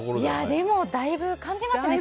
でも、だいぶ感じますね。